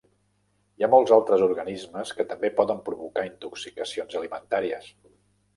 Hi ha molts altres organismes que també poden provocar intoxicacions alimentàries.